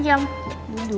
yuk duduk dulu